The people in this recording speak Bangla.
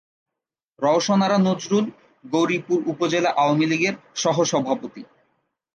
রওশন আরা নজরুল গৌরীপুর উপজেলা আওয়ামী লীগের সহ-সভাপতি।